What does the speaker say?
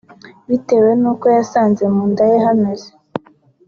bitewe n’uko yasanze mu nda ye hameze